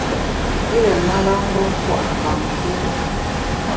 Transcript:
Yire ṅara-mgbom pua’ ghamkéri.